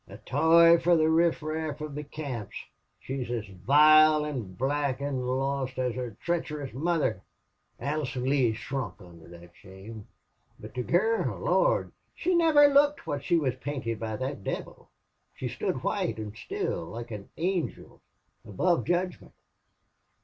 A toy fer the riff raff of the camps!... She's as vile an' black an' lost as her treacherous mother!' "Allison Lee shrunk under thot shame. But the gurl! Lord! she niver looked wot she was painted by thot devil. She stood white an' still, like an angel above judgment.